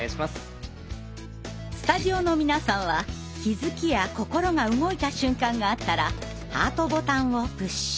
スタジオの皆さんは気づきや心が動いた瞬間があったらハートボタンをプッシュ。